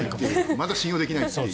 まだ信用できないという。